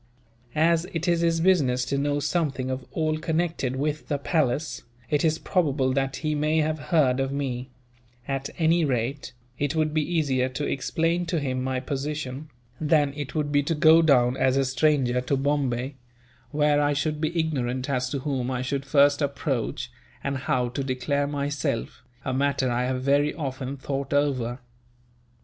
As it is his business to know something of all connected with the palace, it is probable that he may have heard of me; at any rate, it would be easier to explain to him my position, than it would be to go down as a stranger to Bombay where I should be ignorant as to whom I should first approach, and how to declare myself a matter I have very often thought over."